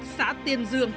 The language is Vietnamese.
xã tiên dương